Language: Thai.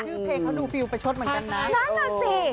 ลูกเพลงเขาดูฟิวไปชดเหมือนกันน่ะนั่นล่ะสิ